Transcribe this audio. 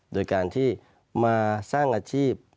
โดยการที่มาสร้างอาชีพ